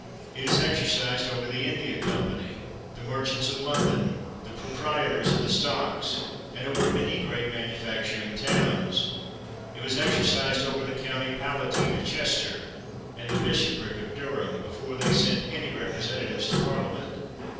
It is exercised over the India Company, the merchants of London, the proprietors of the stocks, and over many great manufacturing towns. It was exercised over the county pala tine of Chester, and the bishopric of Durham, before they sent any representatives to Parlia ment.